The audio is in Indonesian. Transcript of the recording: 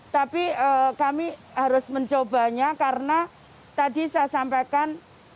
tapi kami harus mencobanya karena tadi saya sampaikan